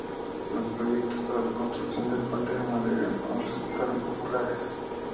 Los proyectos para la construcción del puente de madera no resultaron populares.